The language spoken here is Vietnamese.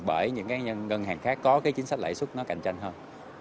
bởi những cái ngân hàng khác có cái chính sách lãi suất nó cạnh tranh hơn